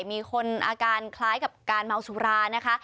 มีคนอาการคล้ายกับการเมาสุรานะคะ